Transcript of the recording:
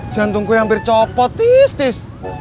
jantung gue hampir copot tis tis